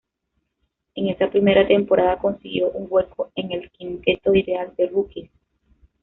En esa primera temporada consiguió un hueco en el quinteto ideal de "rookies".